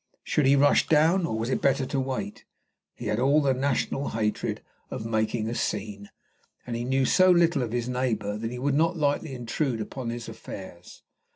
Should he rush down, or was it better to wait? He had all the national hatred of making a scene, and he knew so little of his neighbour that he would not lightly intrude upon his affairs.